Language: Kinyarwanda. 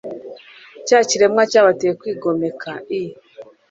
cya kiremwa cyabateye kwigomeka i